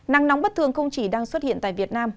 nắng nóng bất thường không chỉ đang xuất hiện tại việt nam